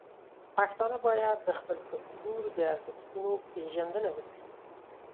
پښتانه باید د خپل کلتور د ارزښتونو پیژندنه وکړي.